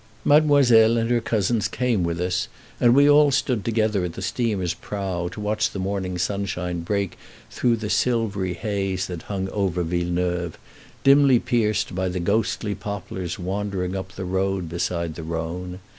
Mademoiselle and her cousins came with us, and we all stood together at the steamer's prow to watch the morning sunshine break through the silvery haze that hung over Villeneuve, dimly pierced by the ghostly poplars wandering up the road beside the Rhone.